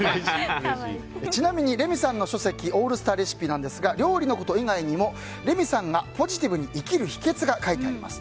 ちなみに、レミさんの書籍「オールスターレシピ」ですが料理のこと以外にもレミさんがポジティブに生きる秘訣が書いてあります。